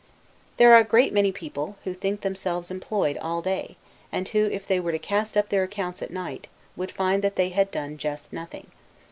There are a great many people, who think themselves employed all day, and who, if they were to cast up their accounts at night, would find that they had done just nothing.